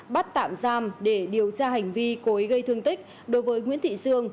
bắt tạm giam để điều tra hành vi cố ý gây thương tích đối với nguyễn thị sương